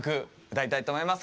歌いたいと思います。